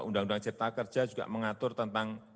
undang undang cipta kerja juga mengatur tentang